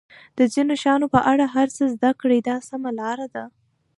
د ځینو شیانو په اړه هر څه زده کړئ دا سمه لار ده.